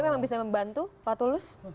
memang bisa membantu pak tulus